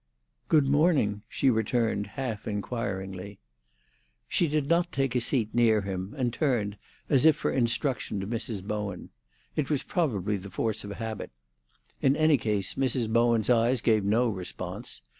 "Good morning," she returned half inquiringly. She did not take a seat near him, and turned, as if for instruction, to Mrs. Bowen. It was probably the force of habit. In any case, Mrs. Bowen's eyes gave no response.